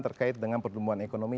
terkait dengan pertumbuhan ekonomi